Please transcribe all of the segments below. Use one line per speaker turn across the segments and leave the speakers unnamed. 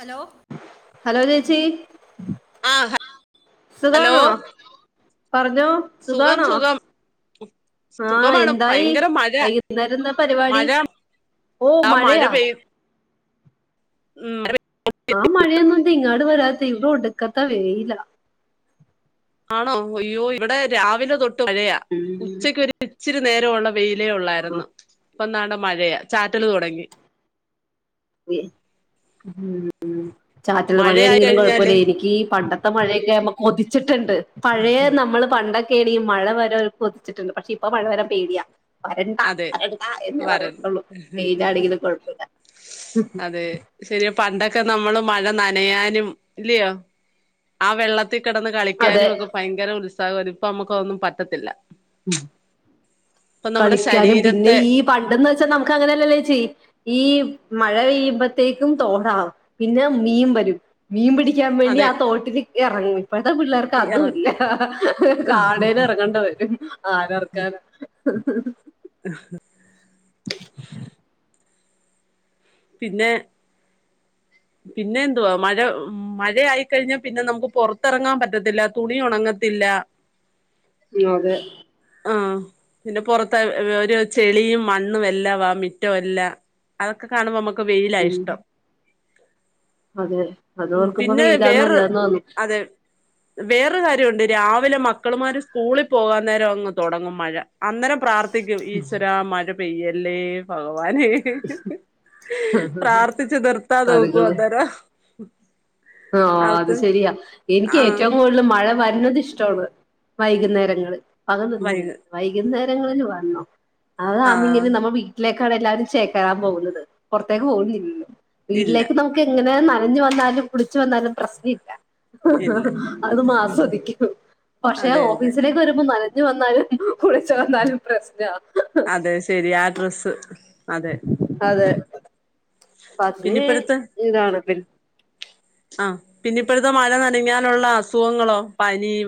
Hello hello ചേച്ചി
ആഹ് hello
സുഖണോ പറഞ്ഞോ
സുഖം
സുഖാണോ
സുഖം
ആഹ
സുഖമാണ്
എന്തായി
ഭയങ്കര മഴ
വൈകുന്നേരം എന്താ പരിപാടി
മഴ
ഓ
ആ മഴ
മഴയാ
പെയ് ഉം
ആ മഴയൊന്നും എന്താ ഇങ്ങാട് വരാത്ത ഇവിടെ ഒടുക്കത്തെ വെയിലാ
ആണോ അയ്യോ ഇവിടെ രാവിലെ തൊട്ട് മഴയാ ഉച്ചക്ക്
ഉം
ഒരു ഇച്ചിരി നേരംഉള്ള വെയിലേ ഉള്ളായിരുന്നു ഇപ്പൊ ദാണ്ട മഴയ ചാറ്റല് തുടങ്ങി
ചാറ്റൽ
മഴയായി
മഴയാണെങ്കിലും കൊഴപ്പമില്ല
കഴിഞ്ഞാല്
എനിക്ക്ഈ പണ്ട മഴയൊക്കെ നമ്മക്ക് കൊതിച്ചിട്ടുണ്ട് പഴയ നമ്മള് പണ്ടൊക്കെ പേടിയും മഴ വരാൻ കൊതിച്ചിട്ടുണ്ട് പക്ഷെ ഇപ്പ മഴവരാൻ പേടിയാ വരണ്ട
അതെ
വരണ്ട എന്നേ
വരൻ
പറയത്തള്ളൂ വെയിലാണെങ്കിലും കൊഴപ്പമില്ല
അതെ ശരിയ പണ്ട ക്കെ നമ്മള് മഴ നനയാനും ഇല്ലയോ ആ വെള്ള ത്ത് കിടന്ന്
അതെ
കളിക്കാനും ഒക്കെ ഭയങ്കര ഉൽസാ ഇപ്പ നമുക്കൊന്നും പറ്റത്തില്ല
ഉം
ഇപ്പൊ
കളി
നമ്മുടെ
ളിക്കാനും പിന്നെ
ശരീരത്തെ
ഈ പണ്ടെന്ന് വെച്ചാൽ നമുക്ക് അങ്ങനെയല്ലല്ലേ ചേച്ചി ഈ മഴ പെയ്യുമ്പോത്തേക്കും തോടാവും പിന്നെ മീൻ വരും മീൻ പിടിക്കാൻ വേണ്ടി
അതെ
ആ തോട്ടില് ഇറങ്ങി ഇപ്പോഴത്തെ പിള്ളേർക്ക്
ഇറ
അതും ഇല്ല കാടേന ഇറങ്ങേണ്ട വരും ആരറക്കാൻ ഉ
പിന്നെ പിന്നെ എന്തുവാ മഴ മഴ ആയിക്കഴിഞ്ഞാൽ പിന്നെ നമുക്ക് പുൊറത്തിറങ്ങാൻ പറ്റത്തില്ല തുണി ഉണങ്ങത്തില്ല
അതെ
ആ പിന്നെ പൊറത്ത് ഒരു ചെളിയും മണ്ണും എല്ലാ വ മിറ്റവും എല്ല അതൊക്കെ കാണുമ്പോ നമ ഒക്ക വെയിലാ
ഉം
ഇഷ്ടം
അതെ അത്
ഉം
ഓർക്കുമ്പോ
പിന്നെ വേറെ
ഫെയിലാന്നല്ലന്ന് തോന്നു
അതെ വേറൊരു കാര്യുണ്ട് രാവിലെ മക്കളമാര് സ്കൂളിൽ പോകാൻ നേരം അങ്ങ് തുടങ്ങും മഴ അന്നേരം പ്രാർത്ഥിക്കും ഈശ്വരാ മഴ പെയ്യല്ലേ ഭ ഗവാനേന്ന് പ്രാർത്ഥിച്ചു നിർത്താതോക്കു
അതുങ്ങള്
അന്നേരം ഉം
ആ അത് ശരിയാ എനിക്ക്
ആഹ്
ഏറ്റവും കൂടുതൽ മഴ വ രുന്നത്ഇഷ്ടമാണ് വൈകുന്നേരങ്ങളില് പക നിന്നു പോയ്
വൈകു
വൈകുന്നേ ങ്ങളിൽ വന്നോ
ആഹ്
അതാന്നെങ്കിലും നമ്മൾ വീട്ടിലെ ക്കല്ലരും ചേക്കാൻ പോകുന്നത് പുറത്തേക്ക് പോകുന്നില്ലല്ലോ
ഇല്ല
വീട്ടിലേക്ക് നമുക്ക് എങ്ങന ന്താലും നനഞ്ഞു വന്നാലും കുളിച്ചു വന്നാലും പ്രശ്നല്ല
ഇല്ല
അത നമ്മആസ്വദിക്കും പക്ഷെ
അതെ അതെ
ഓഫീസിലേക്ക് വരുമ്പോ നന ഇ [unintelligible] വന്നാലും കുളിച്ച് വന്നാലും പ്രശ്ന
അതെ ശെരി ആ ഡ്രസ്സ് അതെ
അതെ
പിന്നിപ്പടുത്ത്
[unintelligible] ഇതാണ് [unintelligible]
ആ പിന്നപ്പഴത്തെ മഴ നനഞ്ഞാലുള്ള അസുഖങ്ങളോ പനിയും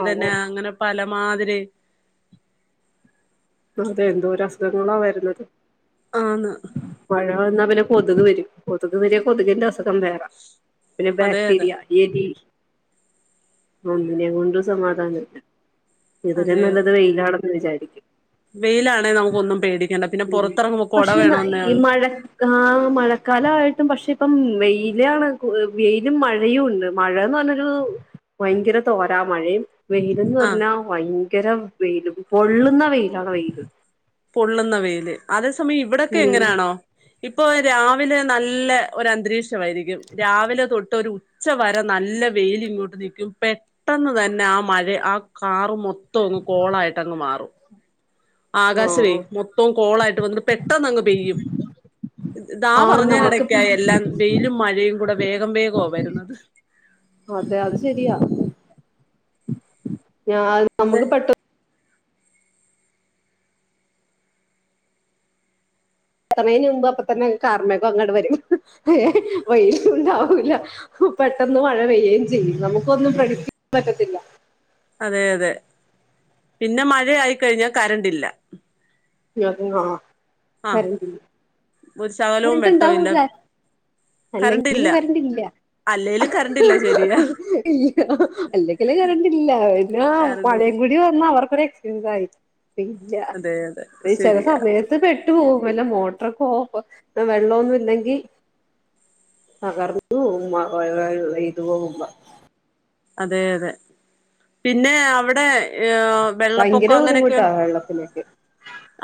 മഴ
അങ്ങനെ പലം മാതിരി
അതെ എന്തോ രസുഖങ്ങളാ വരുന്നത്
ആന്ന്
മഴ വന്നാ പിന്നെ കൊതുക് വരും കൊതുക് വര്യാ കൊതുകിന്റെ അസുഖം വേറെ പിന്നെ
അതെ അതെ
ബാക്ടീരിയ ഏതി ഒന്നിനെ കൊണ്ടും സമാധാനില്ല
അതെ
ഇതിലുംനല്ലത് വെയിലാണ് വിജാരിക്കും
വെയിലാണെ നമുക്ക് ഒന്നും പേടി
ഉ പക്ഷേ ഈ മഴ ആ മഴക്കാലമായിട്ടും പക്ഷെ ഇപ്പം വെയിലാണ് വെയിലും മഴയും ഉണ്ട് മഴാന്ന് പറഞ്ഞൊരു ഭയങ്കര തോരാ മഴയും വെയ്ലെന്ന്
ആ
പറഞ്ഞാ വൈ ഭങ്കര വെയിലും പൊള്ളുന്ന വെയിലാണ് വെയിലും
പൊള്ളുന്ന വെയ്ല് അത് ഇവിടൊക്കെ
ഉം
എങ്ങനാണോ ഇപ്പൊ രാ വിലെ നല്ല ഒരുഅന്തരീക്ഷമായിരിക്കും രാവിലെ തൊട്ട് ഒരു ഉച്ച വരെ നല്ല വെയില ഇങ്ങോട്ട് നിക്കും പെട്ടന്ന് തന്നെ ആ മഴ ആ കാറ്മൊത്തം അങ്ങ് കോളായിട്ട് അങ്ങ്മാറും ആകാശ പ്പെ
ആഹ്
മൊത്തം കോളായിട്ട് വന്നിട്ട് പെട്ടെന്ന് അങ്ങ് പെയ്യും താ
ആഹ്
പറഞ്ഞ
നമുക്ക്
കടക്കായി എല്ലാം വെയിലും മഴയും കൂടെ വേഗം വേഗം വരുന്നത്
അതെ അത് ശരിയാ ഞത്
അതെ
നമുക്ക് പെട്ടെന്ന് എത്തണേന് മുമ്പ് അപ്പ തന്നെ കാർമ്മയൊക്ക അങ്ങോട്ട് വരും വെും ഉണ്ടാവൂില്ല പെട്ടെന്ന് മഴ പെയും ചെയ്യും നമുക്ക് പൊന്നും പ്രടിറ്റെയ പറ്റത്തില്ല
അതെ അതെ പിന്നെ മഴ ആയി കഴിഞ്ഞാൽ കരണ്ടില്ല
[unintelligible]
ആഹ്
കര്ന്റ് ബില്ല്
ഒരു ശകലവും
കറണ്ട്
വെട്ടവും ഇല്ല
ഇണ്ടാവൂല. അല്ലെങ്കില്
കറണ്ടില്ല
കറണ്ടില്ല.
അല്ലേലും കറണ്ടില്ല ശരിയാ
ഇല്ല അല്ലെങ്കില് കറണ്ട്ല്ല പിന്ന മഴയും
കറണ്ടില്ല
കൂടി വന്ന അവർ രു എക്സ്പീരിയൻസായി. ഇല്ല
അതെ അതെ
ചെല
ശരിയാ
സമയത്ത് പെട്ടു പോവും വല്ല മോ ട്ടറ് ക്കെ ഓഫ ആ വെള്ളൊന്നും ഇല്ലെങ്കി തകർന്നു പോവും. മയയെയ്തു പോകുമ്പോ
അതെ അതെ പിന്നെ അവടെ
ഭയങ്കര
ഏവെള്ളപ്പൊക്കം അങ്ങനെയൊക്കെ
ബുദ്ധിമുട്ടാ വെള്ളത്തിനൊക്കെ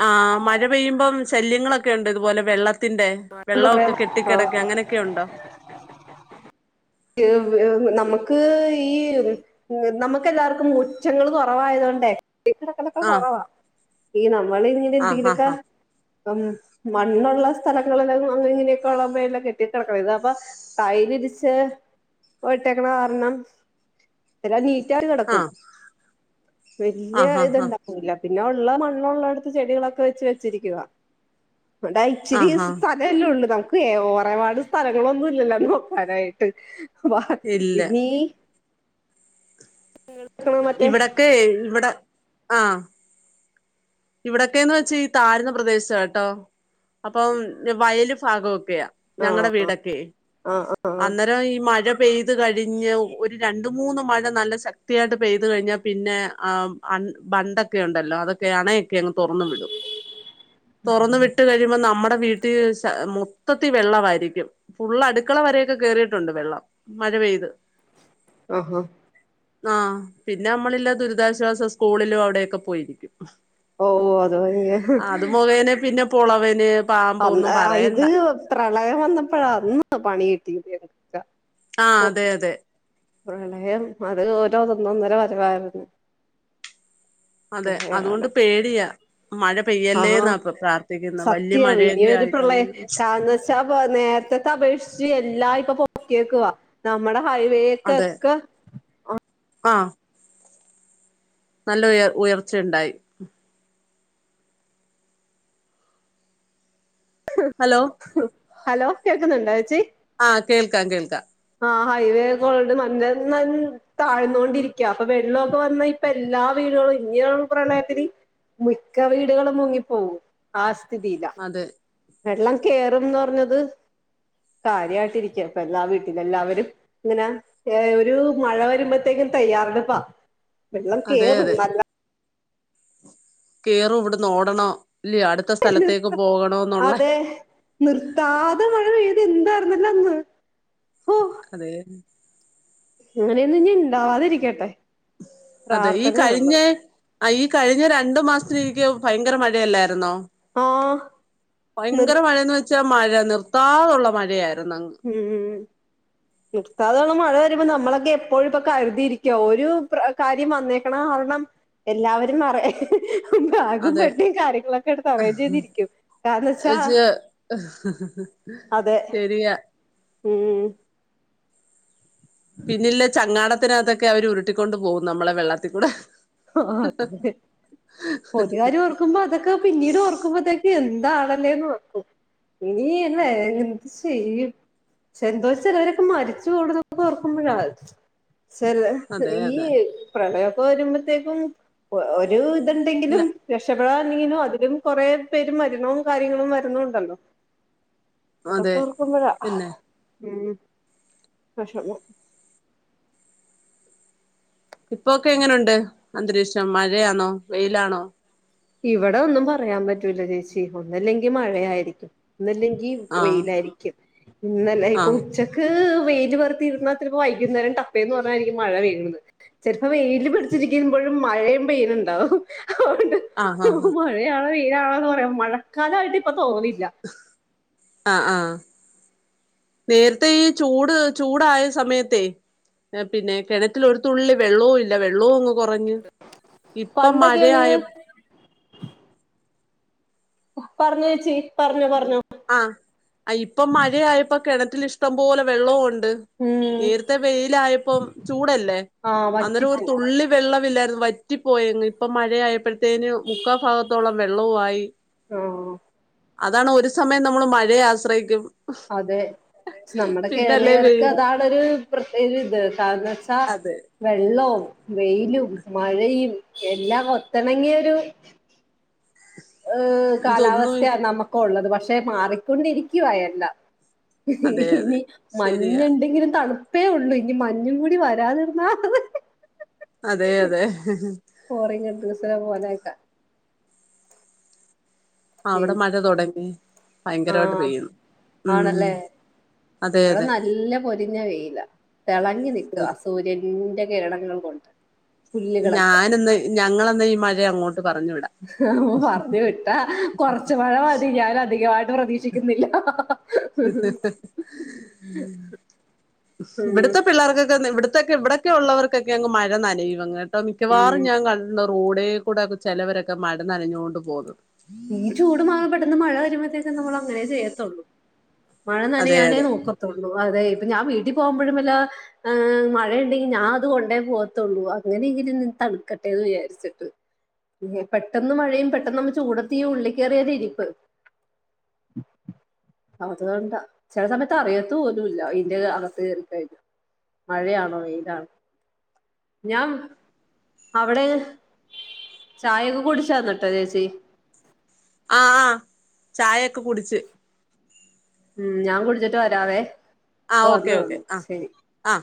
ആ മഴ പെയ്യുമ്പം ശല്യങ്ങളൊക്കെ ണ്ടോ ഇതുപോലെ വെള്ള ത്തിന്റെ
എന്താ പറയാ
വെള്ളൊക്കെ
ആ
കെട്ടിക്കിടക്ക അങ്ങനൊക്കെ ഉണ്ടോ?
ഏവ് ഏഹ് നമുക്ക് ഈ നമുക്ക് എല്ലാർക്കും മുറ്റങ്ങൾ കൊ റവായത് കൊണ്ടേ [unintelligible]
ആഹ്
കൊറവാ ഈണം
ആഹ്
[unintelligible]
ആഹ്
പ്പം മണ്ണുള്ള സ്ഥലങ്ങളില് അങ്ങിനെ ഇങ്ങനെയൊക്കെ [unintelligible] ഇത് അപ്പൊ ടൈലിരിച്ച് ഇട്ടേക്കണ കാരണം എല്ലാം നീറ്റ് ആയിട്ട് കെടക്കും
ആഹ്
വല്യ
ആഹ് ആഹ് ആഹ് ആഹ്
ഇതുണ്ടാവു ല്ല പിന്നെ ഉള്ള മണ്ണുള്ളടുത്ത് ചെടികളൊക്കെ വെച്ച് വെച്ചിരിക്കുവാ ഇവിടെ ഇച്ചിരി
ആഹ് ആഹ്
സ്ഥലം അല്ലേ ഉള്ളു ഒറപാട് സ്ഥലങ്ങളൊന്നും ഇല്ലല്ലോ നോക്കാനായിട്ട് [inaudible] വ
ഇല്ല
[unintelligible] [inaudible]
ഇവിടൊക്കെ ഇവിടെ ആഹ് ഇവിടൊക്കെന്ന് വെച്ചാ ഈ താഴ്ന്ന പ്രദേശ കേട്ടോ അപ്പം വയല് ഭാഗവും ഒക്കെയാ
ആഹ്
ഞങ്ങളുടെ വീടൊക്കെയെ
ആഹ് ആഹ്
അന്നേരം ഈ മഴ- പെയ്ത് കഴിഞ്ഞ് ഒരു രണ്ട് മൂന്ന് മഴ നല്ല ശക്തിയായിട്ട് പെയ്ത് കഴിഞ്ഞാൽ പിന്നെ ആ ബണ്ട് ബണ്ടൊക്കെ ഉണ്ടല്ലോ അതൊക്കെയാണെ- ഒക്കെ അങ്ങ് തുറന്നു വിടും തുറന്ന് വിട്ട് കഴിയുമ്പോ നമ്മുടെ- വീട്ടിൽ മൊത്തത്തിൽ വെള്ളമായിരിക്കും ഫുള്ള് അടുക്കള വരെയൊക്കെ കേയറിയിട്ടുണ്ട് വെള്ളം മഴ പെയ്ത്
ഓഹോ
ആഹ് പിന്നെ നമ്മളില്ലെ ദുരിതാശ്വാസ സ്കൂളിലും അവിടൊക്കെ പോയിരിക്കും
ഓഹ് അത് ഭയങ്കരം
പോളവന്
അന്ന് ഇത് പ്രളയം വന്നപ്പഴാ അന്ന് പണി കിട്ടി കിട്ടിയത്
ആഹ്
ഓ
അതെ അതെ
പ്രളയം അത് ഓരോ ഒന്നൊന്നര വരവായിരുന്നു
അതെ അതുകൊണ്ട്
പ്രളയകാലം
പേടിയാ മഴ പെയ്യല്ലേ എന്നാ ഇപ്പോ പ്രാർത്ഥിക്കുന്നെ വലി
തിയാ ഇനിയൊരു പ്രളയം കാരണെന്ന്ച്ചാ നേരത്തത്തെ അപേക്ഷിച്ച് എല്ലാ പ്പ പൊക്കിയേക്കുവാ നമ്മടെ
അതെ
ഹൈവേക്കൊക്കെ ആ
ആഹ് നല്ല ഉയർ ഉയർച്ചയുണ്ടായി ഹലോ
ഹലോ കേക്കുന്നുണ്ടാ ചേച്ചി
ആഹ് കേൾക്കാം കേൾക്കാം
ആഹ് ഹൈവേ [unintelligible] താഴ്ന്നോണ്ടിരിക്കുകാ അപ്പൊ വെള്ളമൊക്കെ വന്നാ ഇപ്പ എല്ലാ വീടുകളും ഇങ്ങനുള്ള പ്രളയത്തിന് മിക്ക വീടുകളും മുങ്ങിപ്പോകും ആ സ്ഥിതിയില്ല.
അതെ
വെള്ളം കേറുംന്ന് പറഞ്ഞത് കാര്യാട്ടിരിക്കാ പ്പം എല്ലാ വീട്ടിലും എല്ലാവരും ഇങ്ങനെ ഏ ഒരു മഴ വരുമ്പോത്തേക്കും തയ്യാറെടുപ്പാ. വെള്ളം
അതെ
കേറും
അതെ
നല്ല
കേറും ഇവിട്ന്ന് ഓടണം ല്ല അടു
നിർത്ത അതെ നിർത്താതെ മഴ പെയ്ത് എന്താ. [unintelligible]
അതെ.
അങ്ങനെയൊന്നും ഞ് ഇണ്ടാവാതിരിക്കട്ടെ.
അതെ ഈ കഴിഞ്ഞെ ആ ഈ കഴിഞ്ഞ രണ്ടു മാസത്തിനിരിക്കേ ഭയങ്കര മഴ. അല്ലായിരുന്നോ.
ആ നിർ
യങ്കര മഴന്ന് വെച്ചാ മഴ ത്താതുള്ള മഴയായിരുന്നു. അങ്ങ്
ഉം നിർത്താതെ ള്ള മഴ വരുമ്പോ നമ്മളൊക്കെ എപ്പഴും പ്പോ കരുതിയിരിക്കു ഒരു കാര്യം വന്നേക്കണം കാരണം എല്ലാവരും മറ ബാഗും
അതെ
പെട്ടീം കാര്യങ്ങളൊക്കെ എടുത്ത് അറേഞ്ച് ചെയ്തിരിക്കും കാരണ ച്ചാ
ച്ച്
അതെ.
ശരിയാ
ഉം
പിന്നല്ലെ ചങ്ങാട ത്തിനകത്തൊക്കെ അവര് ഉരുട്ടിക്കൊണ്ട് പോകും നമ്മളെ വെള്ളത്തി കൂടെ
ആ അതെ ഒരു കാര്യോ ഓർക്കുമ്പോ അതൊക്കെ പിന്നീട് ഓർക്കുമ്പത്തേക്ക് എന്ത് എന്താളല്ലേന്ന് വെക്കും ഇനിയല്ലേ എന്തു ചെയ്യും ചെന്തോ ചെലവരൊക്കെ മരിച്ചു പോണത് ഓർക്കുമ്പഴാ. ചെല
അതെ
ഈ
അതെ
പ്രളയ. പോരുമ്പം ശെരിക്കും ഒരൂ
ഇല്ല
ഇതിണ്ടെങ്കിലും വെഷ [unintelligible] അതിലും കൊറേ പേര് മരണവും കാര്യങ്ങളും വരുന്നുണ്ടല്ലോ
അതെ
അതൊക്കോർക്കുമ്പഴാ
പിന്നെ
ഉം സഷമ്
ഇപ്പൊക്കെ എങ്ങനുണ്ട് അന്തരീക്ഷം മഴയാന്നോ വെയിലാണോ.
ഇവിടെ ഒന്നും പറയാൻ പറ്റൂല ചേച്ചി ഒന്നല്ലെങ്കി മഴയായിരിക്കും ഒന്നുല്ലെങ്കി
ആഹ്
വെയിലായിരിക്കും ഇന്നല്ല ഇപ്പൊ
ആഹ്
ഉച്ചക്ക് വെയിൽ വുത്തിരുന്നാൽ ചിലപ്പോ വൈകുന്നേരം ടപ്പേന്ന് പറഞ്ഞായിരിക്കും മഴ പെയ്യണുന്നത് ചിലപ്പോ വെയിൽ പടിച്ചിരിക്കുമ്പോഴും മഴയും പെയ്യ്ണ്ണ്ടാവും അതൊണ്ട്
ആഹ് ആഹ് ആഹ്
യില പറ മഴക്കാലമായിട്ട് പ തോന്നില്ല
ആഹ് ആഹ് നേരത്തെ ഈ ചൂട് ചൂടായ സമയത്ത പിന്നെ കിണത്തിൽ ഒരു തുള്ളി വെള്ളവും ഇല്ല വെള്ളവും കുറഞ്ഞ് ഇപ്പൊ മഴയയ
പണ്ടൊക്കെയാണെങ്കി പറഞ്ഞ ച്ചി പറഞ്ഞ പറ
ആഹ് ഇപ്പ മഴയപ്പോ കിണത്തി ഇഷ് ടം പോലെ വെള്ളവും ഉണ്ട് ണ്ട്
ഉം
നേത്തെ വെയിലായപ്പൊ ചൂടല്ലേ
ആഹ്
അന്നേരം ഒരു
വറ്റിപ്പൂ
തുള്ളി വെള്ള വിലർന്ന് വറ്റിപ്പോയെ ഇപ്പ മഴയായപ്പഴ തേനട മുക്കാൽ ഭാഗത്തോളം വെള്ളവു ആയി
ആഹ്
അതാണ് ഒരു- സമയം നമ്മള് മഴയെ ആശ്രയിക്കും
അതെ നമ്മുടെ
പിന്നല്ലേ
കേരളീയർക്ക്
വെയിൽ
അതാണ് ഒരു പ്രത്യക ഇത് കാരണം- ആ വെള്ള-
അതെ
വെള്ളവും വെയിലും മഴയും എല്ലാം ഒത്തിണങ്ങിയ ഒരു- ഏഹ
ഇതൊന്നും
കാലാവസ്ഥയ നമുക്ക് ഉള്ളത് പക്ഷെ മാറിക്കൊണ്ടിരിക്കുവ എല്ലാം
അതെ അതെ
ഇനി
ശരിയാ
മഞ്ഞുണ്ടെങ്കിലും തണു ഇപ്പേ ഉള്ളൂ ഇനി മഞ്ഞും കൂടി വരാതിരുന്നാ
അതെ അതെ
അലലക്ക
ആ അവിടെ മഴ തുൊടങ്ങി
ആഹ
ഉം
ആണല്ലേ
അതെ
ഇവിടെ
അതെ
നല്ല പൊരിഞ്ഞ വെയില തിളങ്ങി നക്കുക സൂര്യറെ കേരളങ്ങളും കൊണ്ട്ണ്ട്
ഞാനന്ന് ഞങ്ങള ഈരെ അങ്ങോ്
പറഞ്ഞു വിട്ടാ കൊറച്ച മഴ മതി ഞും അധികമായിട്ട പ്രതീക്ഷിക്കുന്നില്ല ഉം
ഇവിടത്തെ പിള്ളേർക്കൊക്കെ ഇവിടുത്തെ ഇത്തൊക്കെ ഇവിടൊക്കെ ഉവർക്കൊക്കെ അങ് മഴ നനയുംുംങ്ങ് മിക്കവാറും
ഉം
ഞാൻ കണ്ട റോഡേ കൂടെൊക്കെ ചിലവരൊക്കെ മഴ നനഞ്ഞുകൊണ്ട് പോകുന്നു
ഈ ചൂട് മാ പെട്ടെന്ന് മഴ വരുമ്പത്തേക്ക് നമ്മള് അങ്ങനെ ചെയ്യത്തുള്ളൂ മഴ
അതെ
നനയാനേ
അതെ
നോക്കതൊ അതെ ഇപ്പ ഞാൻ വീട്ടിൽ പോകുമ്പോഴും എല്ല മഴയണ്ടെങ്കിൽ ഞാൻ അത് കൊണ്ട പോകത്തുള്ളൂ അങ്ങനെയെങ്കിലും തണുക്കട്ടെന്ന് വിചാരിച്ചിട്ട് പെട്ടെന്ന് മഴ പെട്ടെന്ന് നമ്മ ചൂട് തീ ഉളളി കയറിയോരി ഇരിപ്പ് അതു കൊണ്ട ചില സമയത്ത് അറിയാതുപോലുമില്ല ഇതിന്റെ അകത്ത് കയറിക്കഴിഞ്ഞ മഴയാണോ വെയിലാണോ ഞാൻ അവിടെ ചായയൊക്കെ കുടിച്ചായിരിന്നിട്ട് ചേച്ചി
ആ ആ ചായൊക്കെ കുടിച്ച്
ഉം ഞാൻ കുടിച്ചിട്ട് വരാവേ
ആ
ഇപ്പ
ഓക്കെ ഓക്കെ
വന്നേള്ളൂ
ആഹ
ശരി
ആ